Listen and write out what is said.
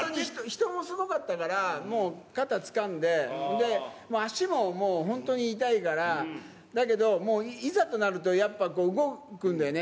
人もすごかったから、もう肩つかんで、ほいで、足ももう本当に痛いから、だけどもういざとなると、やっぱ動くんだよね。